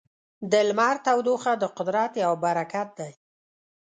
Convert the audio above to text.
د لمر تودوخه د قدرت یو برکت دی.